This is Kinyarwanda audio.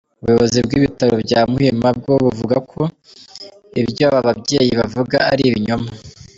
Ubuyobozi bw’ibitaro bya Muhima bwo buvugako ibyo aba babyeyi bavuga ari ibinyoma.